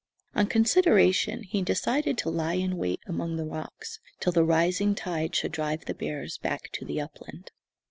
On consideration, he decided to lie in wait among the rocks till the rising tide should drive the bears back to the upland.